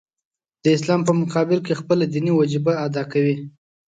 د اسلام په مقابل کې خپله دیني وجیبه ادا کوي.